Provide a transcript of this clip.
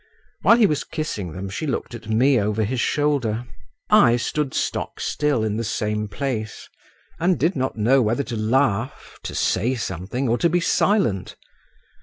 While he was kissing them, she looked at me over his shoulder. I stood stockstill in the same place and did not know whether to laugh, to say something, or to be silent.